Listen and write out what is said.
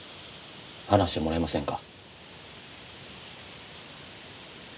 話してもらえませんか？